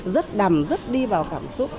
rất đầm rất đi vào cảm xúc